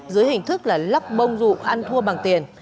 dưới hình thức là lắp bông rụ ăn thua bằng tiền